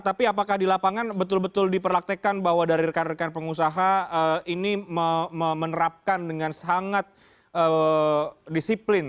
tapi apakah di lapangan betul betul diperlaktekan bahwa dari rekan rekan pengusaha ini menerapkan dengan sangat disiplin